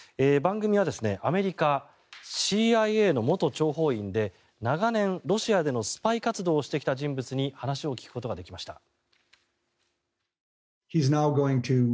番組はアメリカＣＩＡの元諜報員で長年、ロシアでのスパイ活動をしてきた人物に話を聞くことができました。